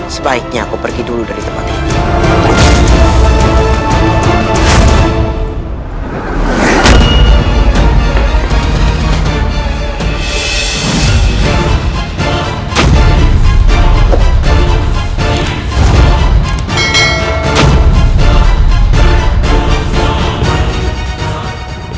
sebaiknya aku pergi dulu dari tempat ini